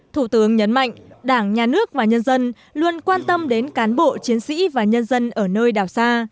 thủ tướng nhấn mạnh đảng nhà nước và nhân dân luôn quan tâm đến cán bộ chiến sĩ và nhân dân ở nơi đảo xa